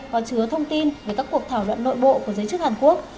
có chứa thông tin về các cuộc thảo luận nội bộ của giới chức hàn quốc